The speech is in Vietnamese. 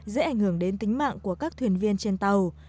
dễ ảnh hưởng đến tính mạng của các thuyền viên trên tàu